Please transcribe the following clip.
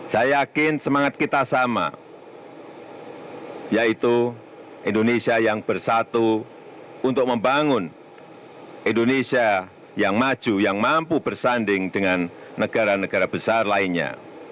saya yakin semangat kita sama yaitu indonesia yang bersatu untuk membangun indonesia yang maju yang mampu bersanding dengan negara negara besar lainnya